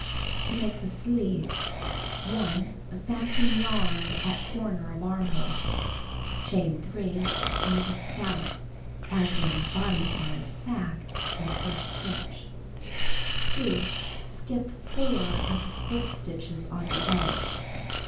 To Make the Sleeve: 1. Fasten yarn at corner of armhole. Chain 3, and make a scallop (as in body part of sacque) in first stitch. 2. Skip 4 of the slip stitches on the edge.